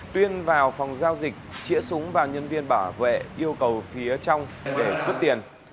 tuyên vào phòng giao dịch chĩa súng vào nhân viên bảo vệ yêu cầu phía trong để cướp tiền